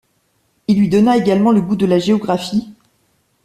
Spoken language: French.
Il lui donna également le goût de la géographie.